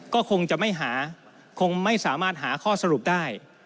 ก็คงจะไม่หาคงไม่สามารถหาข้อสรุปได้